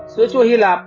sữa chua hy lạp